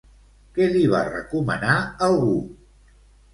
Què li va recomanar algú?